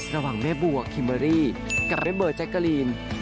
ระหว่างแม่บัวคิมเบอรี่กับแม่เบอร์แจ๊กกะลีน